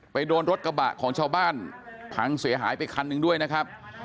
โดนรถกระบะของชาวบ้านพังเสียหายไปคันหนึ่งด้วยนะครับ